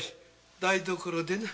台所でな。